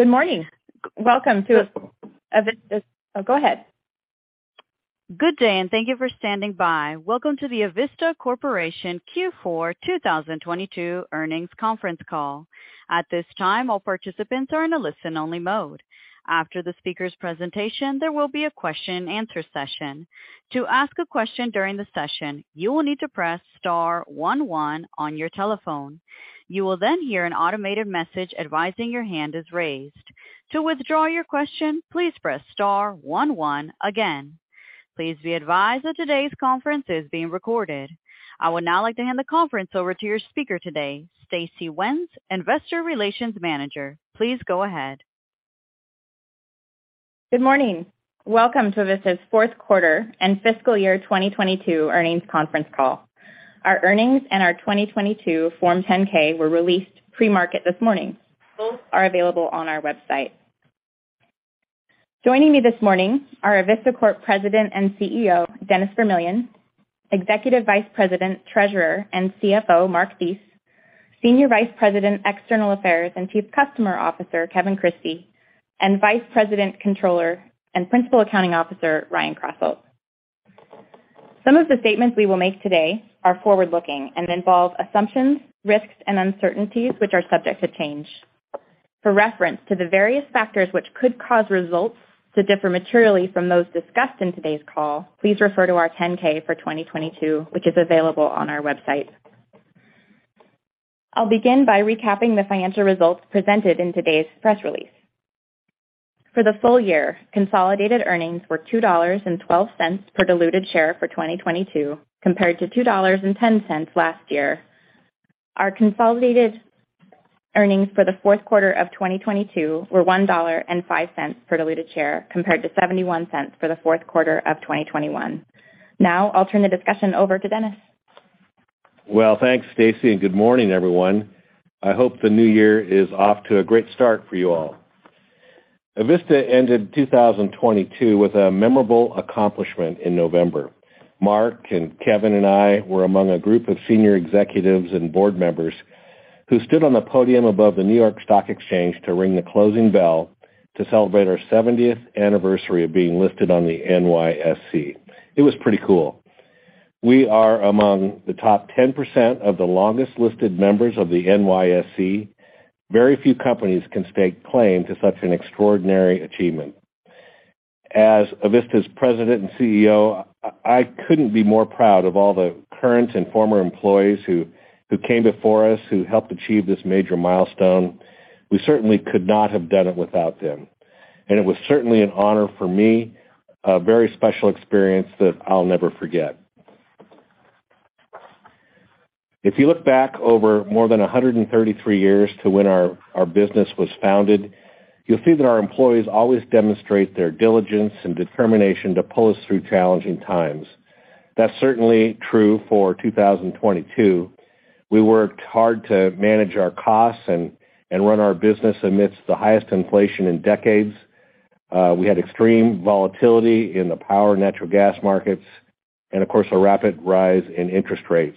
Good morning. Welcome to Avista's. Oh, go ahead. Good day. Thank you for standing by. Welcome to the Avista Corporation Q4 2022 Earnings Conference Call. At this time, all participants are in a listen-only mode. After the speaker's presentation, there will be a question-and-answer session. To ask a question during the session, you will need to press star one one on your telephone. You will hear an automated message advising your hand is raised. To withdraw your question, please press star one one again. Please be advised that today's conference is being recorded. I would now like to hand the conference over to your speaker today, Stacey Wenz, investor relations manager. Please go ahead. Good morning. Welcome to Avista's Fourth Quarter and Fiscal Year 2022 Earnings Conference Call. Our earnings and our 2022 Form 10-K were released pre-market this morning. Both are available on our website. Joining me this morning are Avista Corp President and CEO, Dennis Vermillion; Executive Vice President, Treasurer, and CFO, Mark Thies; Senior Vice President, External Affairs, and Chief Customer Officer, Kevin Christie; and Vice President, Controller, and Principal Accounting Officer, Ryan Krasselt. Some of the statements we will make today are forward-looking and involve assumptions, risks, and uncertainties which are subject to change. For reference to the various factors which could cause results to differ materially from those discussed in today's call, please refer to our 10-K for 2022, which is available on our website. I'll begin by recapping the financial results presented in today's press release. For the full year, consolidated earnings were $2.12 per diluted share for 2022, compared to $2.10 last year. Our consolidated earnings for the fourth quarter of 2022 were $1.05 per diluted share, compared to $0.71 for the fourth quarter of 2021. I'll turn the discussion over to Dennis. Well, thanks, Stacey. Good morning, everyone. I hope the new year is off to a great start for you all. Avista ended 2022 with a memorable accomplishment in November. Mark and Kevin and I were among a group of senior executives and board members who stood on the podium above the New York Stock Exchange to ring the closing bell to celebrate our 70th anniversary of being listed on the NYSE. It was pretty cool. We are among the top 10% of the longest-listed members of the NYSE. Very few companies can stake claim to such an extraordinary achievement. As Avista's President and CEO, I couldn't be more proud of all the current and former employees who came before us who helped achieve this major milestone. We certainly could not have done it without them. It was certainly an honor for me, a very special experience that I'll never forget. If you look back over more than 133 years to when our business was founded, you'll see that our employees always demonstrate their diligence and determination to pull us through challenging times. That's certainly true for 2022. We worked hard to manage our costs and run our business amidst the highest inflation in decades. We had extreme volatility in the power and natural gas markets and, of course, a rapid rise in interest rates.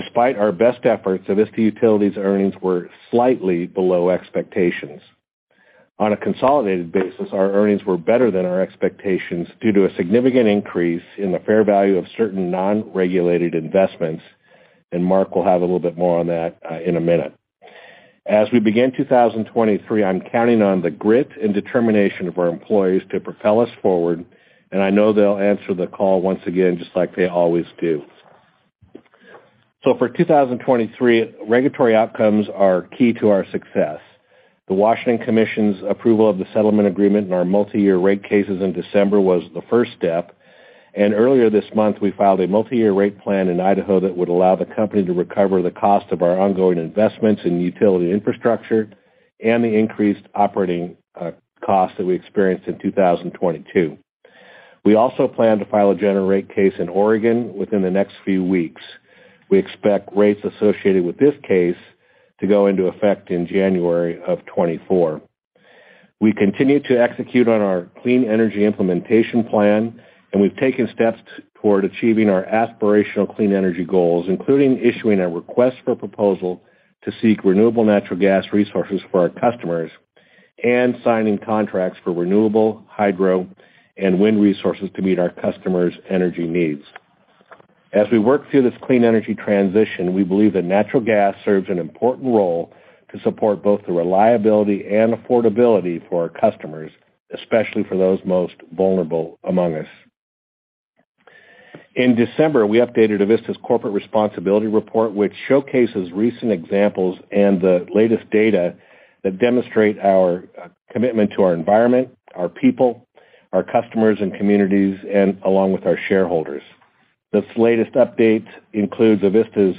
Despite our best efforts, Avista Utilities' earnings were slightly below expectations. On a consolidated basis, our earnings were better than our expectations due to a significant increase in the fair value of certain non-regulated investments, and Mark will have a little bit more on that in a minute. As we begin 2023, I'm counting on the grit and determination of our employees to propel us forward. I know they'll answer the call once again, just like they always do. For 2023, regulatory outcomes are key to our success. The Washington Commission's approval of the settlement agreement and our multi-year rate cases in December was the first step. Earlier this month, we filed a multi-year rate plan in Idaho that would allow the company to recover the cost of our ongoing investments in utility infrastructure and the increased operating costs that we experienced in 2022. We also plan to file a general rate case in Oregon within the next few weeks. We expect rates associated with this case to go into effect in January of 2024. We continue to execute on our Clean Energy Implementation Plan, and we've taken steps toward achieving our aspirational clean energy goals, including issuing a request for proposal to seek renewable natural gas resources for our customers and signing contracts for renewable hydro and wind resources to meet our customers' energy needs. As we work through this clean energy transition, we believe that natural gas serves an important role to support both the reliability and affordability for our customers, especially for those most vulnerable among us. In December, we updated Avista's Corporate Responsibility report, which showcases recent examples and the latest data that demonstrate our commitment to our environment, our people, our customers and communities, and along with our shareholders. This latest update includes Avista's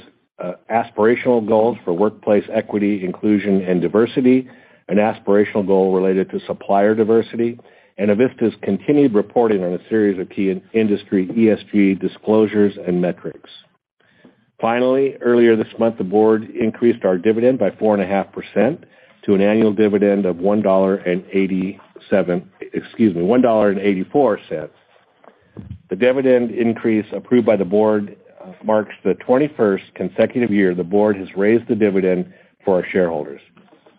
aspirational goals for workplace equity, inclusion, and diversity, an aspirational goal related to supplier diversity, and Avista's continued reporting on a series of key industry ESG disclosures and metrics. Finally, earlier this month, the board increased our dividend by 4.5% to an annual dividend of $1.84. The dividend increase approved by the board marks the 21st consecutive year the board has raised the dividend for our shareholders.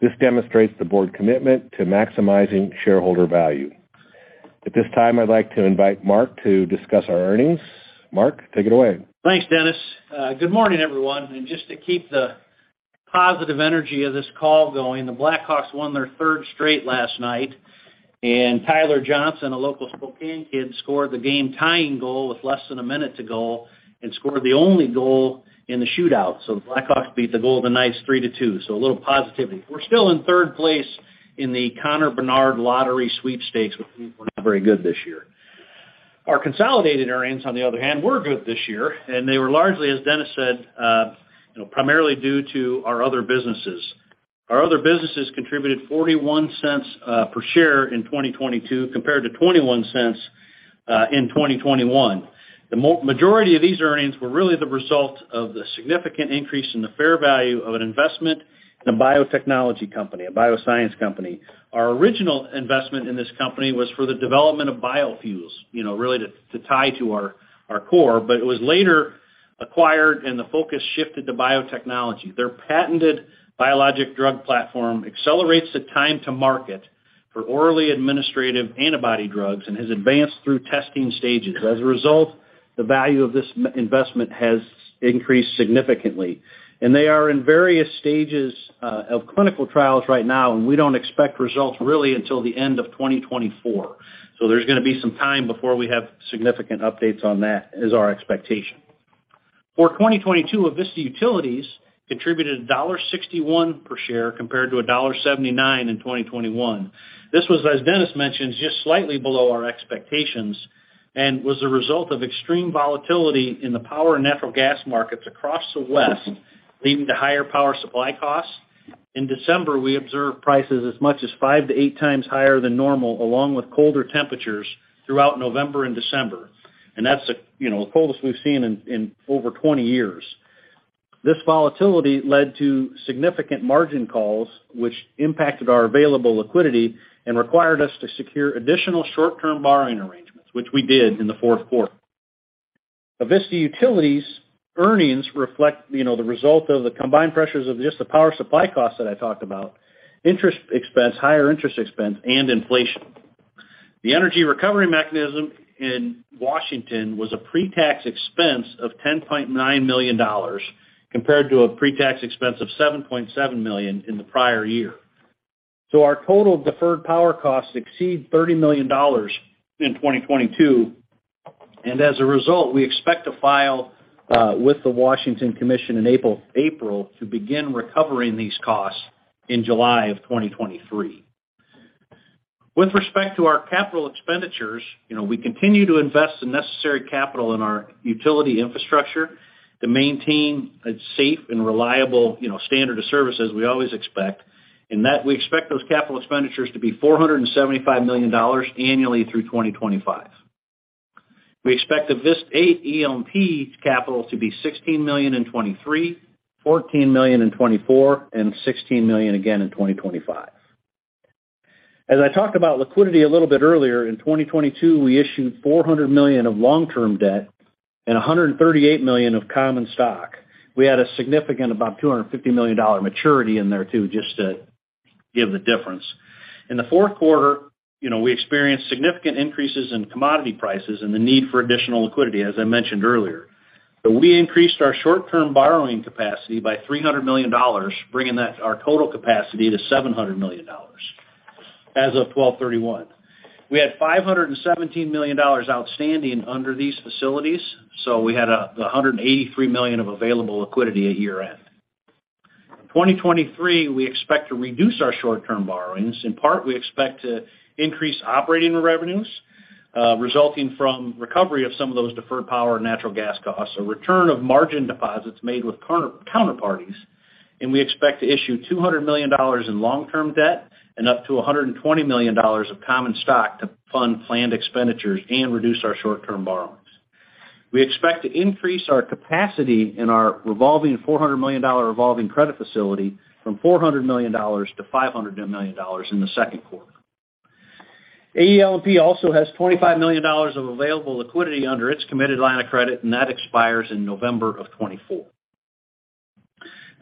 This demonstrates the board commitment to maximizing shareholder value. At this time, I'd like to invite Mark to discuss our earnings. Mark, take it away. Thanks, Dennis. Good morning, everyone. Just to keep the positive energy of this call going, the Blackhawks won their third straight last night. Tyler Johnson, a local Spokane kid, scored the game tying goal with less than a minute to go and scored the only goal in the shootout. The Blackhawks beat the Golden Knights three to two. A little positivity. We're still in third place in the Connor Bedard Lottery Sweepstakes, which means we're not very good this year. Our consolidated earnings, on the other hand, were good this year, and they were largely, as Dennis said, you know, primarily due to our other businesses. Our other businesses contributed $0.41 per share in 2022 compared to $0.21 in 2021. The majority of these earnings were really the result of the significant increase in the fair value of an investment in a biotechnology company, a bioscience company. Our original investment in this company was for the development of biofuels, you know, really to tie to our core. It was later acquired and the focus shifted to biotechnology. Their patented biologic drug platform accelerates the time to market for orally administrative antibody drugs and has advanced through testing stages. As a result, the value of this investment has increased significantly. They are in various stages of clinical trials right now, and we don't expect results really until the end of 2024. There's gonna be some time before we have significant updates on that, is our expectation. For 2022, Avista Utilities contributed $1.61 per share compared to $1.79 in 2021. This was, as Dennis mentioned, just slightly below our expectations and was the result of extreme volatility in the power and natural gas markets across the West, leading to higher power supply costs. In December, we observed prices as much as 5x-8x higher than normal, along with colder temperatures throughout November and December. That's the, you know, the coldest we've seen in over 20 years. This volatility led to significant margin calls, which impacted our available liquidity and required us to secure additional short-term borrowing arrangements, which we did in the fourth quarter. Avista Utilities earnings reflect, you know, the result of the combined pressures of just the power supply costs that I talked about, interest expense, higher interest expense, and inflation. The Energy Recovery Mechanism in Washington was a pre-tax expense of $10.9 million compared to a pre-tax expense of $7.7 million in the prior year. Our total deferred power costs exceed $30 million in 2022, and as a result, we expect to file with the Washington Commission in April to begin recovering these costs in July of 2023. With respect to our capital expenditures, you know, we continue to invest the necessary capital in our utility infrastructure to maintain a safe and reliable, you know, standard of service as we always expect, and that we expect those capital expenditures to be $475 million annually through 2025. We expect Avista AEL&P capital to be $16 million in 2023, $14 million in 2024, and $16 million again in 2025. As I talked about liquidity a little bit earlier, in 2022, we issued $400 million of long-term debt and $138 million of common stock. We had a significant about $250 million maturity in there too, just to give the difference. In the fourth quarter, you know, we experienced significant increases in commodity prices and the need for additional liquidity, as I mentioned earlier. We increased our short-term borrowing capacity by $300 million, bringing that, our total capacity to $700 million as of 12/31. We had $517 million outstanding under these facilities, we had $183 million of available liquidity at year-end. In 2023, we expect to reduce our short-term borrowings. In part, we expect to increase operating revenues, resulting from recovery of some of those deferred power and natural gas costs, a return of margin deposits made with counter-counterparties. We expect to issue $200 million in long-term debt and up to $120 million of common stock to fund planned expenditures and reduce our short-term borrowings. We expect to increase our capacity in our $400 million revolving credit facility from $400 million-$500 million in the second quarter. AEL&P also has $25 million of available liquidity under its committed line of credit, and that expires in November of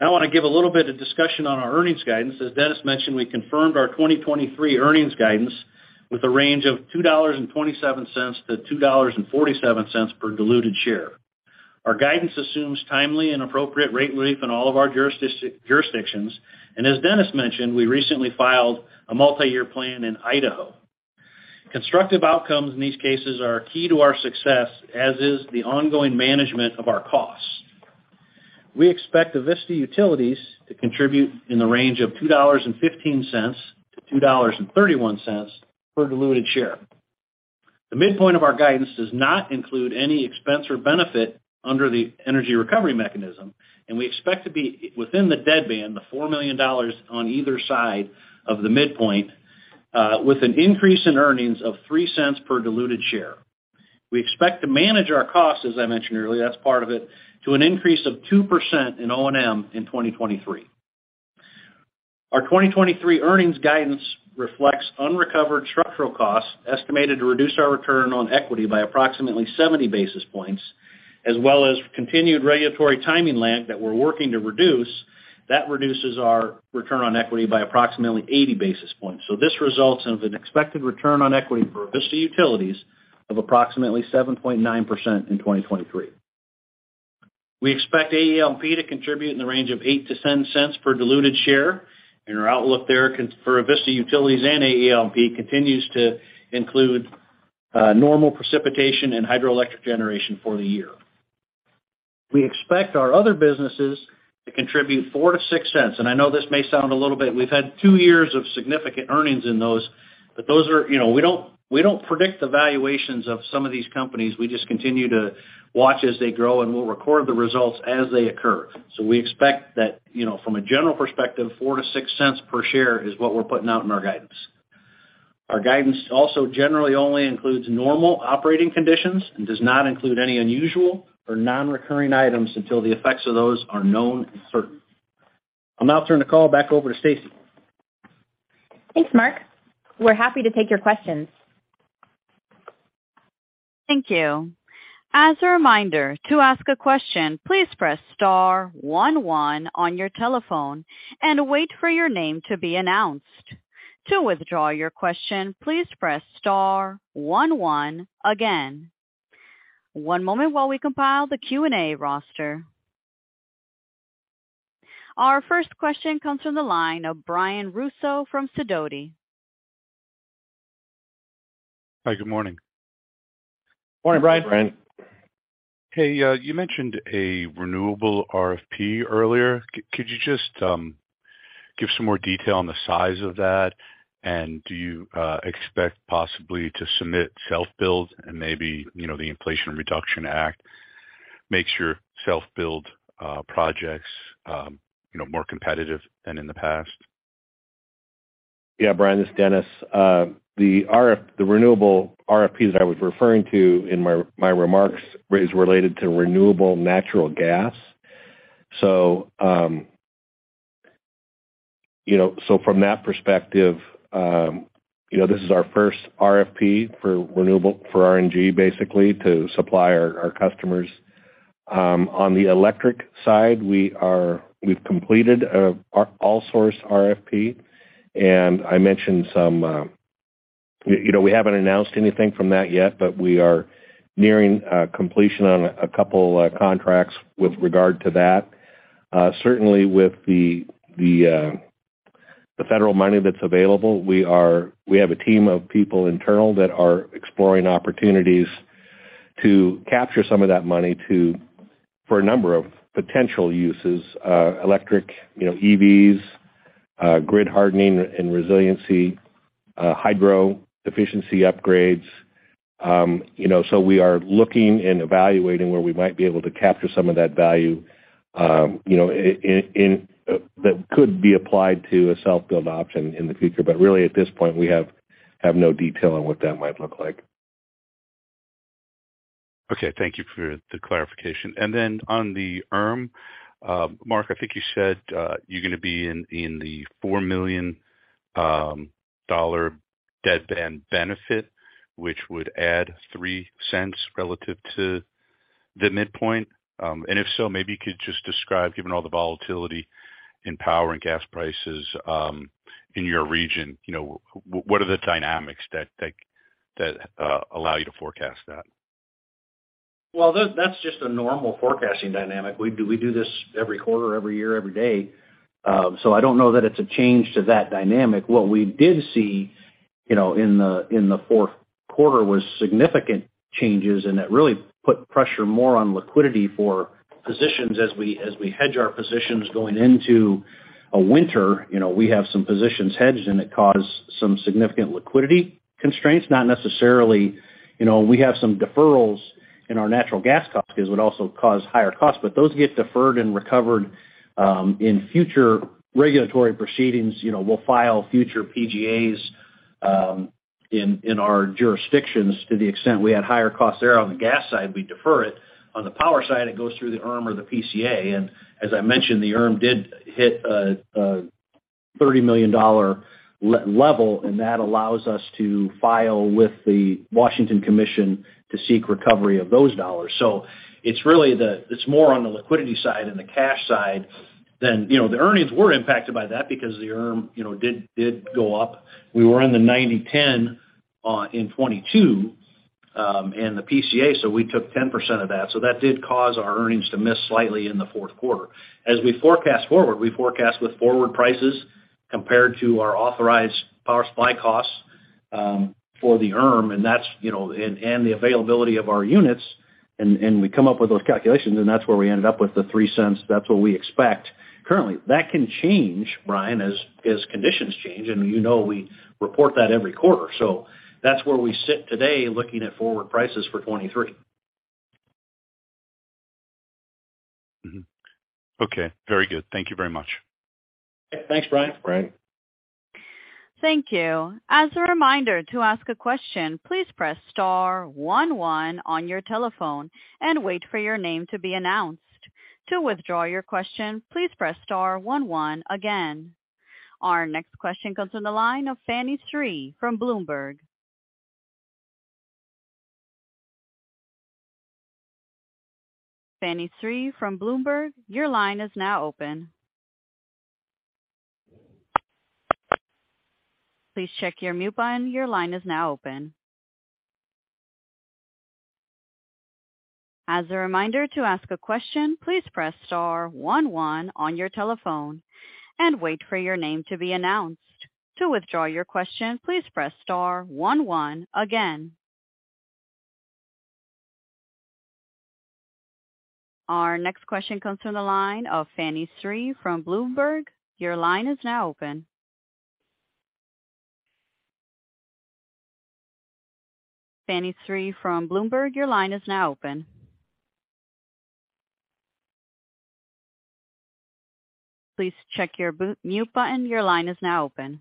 2024. I wanna give a little bit of discussion on our earnings guidance. As Dennis mentioned, we confirmed our 2023 earnings guidance with a range of $2.27-$2.47 per diluted share. Our guidance assumes timely and appropriate rate relief in all of our jurisdictions. As Dennis mentioned, we recently filed a multi-year plan in Idaho. Constructive outcomes in these cases are key to our success, as is the ongoing management of our costs. We expect Avista Utilities to contribute in the range of $2.15-$2.31 per diluted share. The midpoint of our guidance does not include any expense or benefit under the Energy Recovery Mechanism, and we expect to be within the deadband, the $4 million on either side of the midpoint, with an increase in earnings of $0.03 per diluted share. We expect to manage our costs, as I mentioned earlier, that's part of it, to an increase of 2% in O&M in 2023. Our 2023 earnings guidance reflects unrecovered structural costs estimated to reduce our return on equity by approximately 70 basis points, as well as continued regulatory timing lag that we're working to reduce. That reduces our return on equity by approximately 80 basis points. This results in an expected return on equity for Avista Utilities of approximately 7.9% in 2023. We expect AEL&P to contribute in the range of $0.08-$0.10 per diluted share. Our outlook there for Avista Utilities and AEL&P continues to include normal precipitation and hydroelectric generation for the year. We expect our other businesses to contribute $0.04-$0.06. I know this may sound a little bit... We've had two years of significant earnings in those, but those are, you know, we don't predict the valuations of some of these companies. We just continue to watch as they grow, and we'll record the results as they occur. We expect that, you know, from a general perspective, $0.04-$0.06 per share is what we're putting out in our guidance. Our guidance also generally only includes normal operating conditions and does not include any unusual or non-recurring items until the effects of those are known and certain. I'll now turn the call back over to Stacey. Thanks, Mark. We're happy to take your questions. Thank you. As a reminder, to ask a question, please press star one one on your telephone and wait for your name to be announced. To withdraw your question, please press star one one again. One moment while we compile the Q&A roster. Our first question comes from the line of Brian Russo from Sidoti. Hi, good morning. Morning, Brian. Brian. Hey, you mentioned a renewable RFP earlier. Could you just give some more detail on the size of that? Do you expect possibly to submit self-build and maybe, you know, the Inflation Reduction Act makes your self-build projects, you know, more competitive than in the past? Yeah, Brian, this is Dennis. The renewable RFP that I was referring to in my remarks is related to renewable natural gas. You know, so from that perspective, you know, this is our first RFP for renewable, for RNG, basically, to supply our customers. On the electric side, we've completed our All-Source RFP, and I mentioned some, you know, we haven't announced anything from that yet, but we are nearing completion on a couple contracts with regard to that. Certainly with the federal money that's available, we have a team of people internal that are exploring opportunities to capture some of that money for a number of potential uses, electric, you know, EVs, grid hardening and resiliency, hydro efficiency upgrades. You know, we are looking and evaluating where we might be able to capture some of that value, you know, that could be applied to a self-build option in the future. Really, at this point, we have no detail on what that might look like. Okay. Thank you for the clarification. On the ERM, Mark, I think you said, you're going to be in the $4 million deadband benefit, which would add $0.03 relative to the midpoint. If so, maybe you could just describe, given all the volatility in power and gas prices, in your region. You know, what are the dynamics that allow you to forecast that? Well, that's just a normal forecasting dynamic. We do this every quarter, every year, every day. I don't know that it's a change to that dynamic. What we did see, you know, in the fourth quarter was significant changes, that really put pressure more on liquidity for positions as we hedge our positions going into a winter. You know, we have some positions hedged, it caused some significant liquidity constraints. Not necessarily, you know, we have some deferrals in our natural gas cost because it would also cause higher costs. Those get deferred and recovered in future regulatory proceedings. You know, we'll file future PGAs in our jurisdictions to the extent we had higher costs there. On the gas side, we defer it. On the power side, it goes through the ERM or the PCA. As I mentioned, the ERM did hit a $30 million level, and that allows us to file with the Washington Commission to seek recovery of those dollars. It's more on the liquidity side and the cash side than. You know, the earnings were impacted by that because the ERM, you know, did go up. We were in the 90/10 in 2022, and the PCA, so we took 10% of that. That did cause our earnings to miss slightly in the fourth quarter. We forecast forward, we forecast with forward prices compared to our authorized power supply costs for the ERM, and that's, you know, and the availability of our units. We come up with those calculations, and that's where we ended up with the $0.03. That's what we expect currently. That can change, Brian, as conditions change, and you know we report that every quarter. That's where we sit today looking at forward prices for 2023. Mm-hmm. Okay. Very good. Thank you very much. Thanks, Brian. Brian. Thank you. As a reminder, to ask a question, please press star one one on your telephone and wait for your name to be announced. To withdraw your question, please press star one one again. Our next question comes from the line of Fanny Tsui from Bloomberg. Fanny Tsui from Bloomberg, your line is now open. Please check your mute button, your line is now open. As a reminder, to ask a question, please press star one one on your telephone and wait for your name to be announced. To withdraw your question, please press star one one again. Our next question comes from the line of Fanny Tsui from Bloomberg. Your line is now open. Fanny Tsui from Bloomberg, your line is now open. Please check your mute button, your line is now open.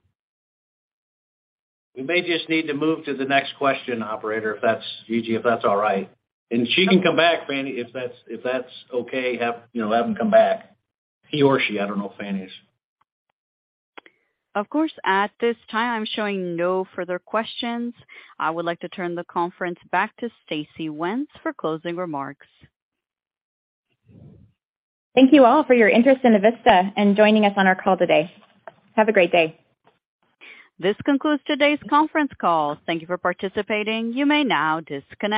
We may just need to move to the next question, operator. Gigi, if that's all right. She can come back, Fanny Tsui, if that's okay. you know, have him come back. He or she, I don't know Fanny Tsui. Of course. At this time, I'm showing no further questions. I would like to turn the conference back to Stacey Wenz for closing remarks. Thank you all for your interest in Avista and joining us on our call today. Have a great day. This concludes today's conference call. Thank you for participating. You may now disconnect.